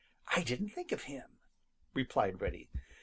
I didn't think of him," replied Reddy.